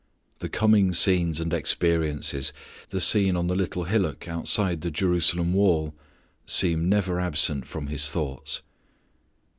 The coming scenes and experiences the scene on the little hillock outside the Jerusalem wall seem never absent from His thoughts.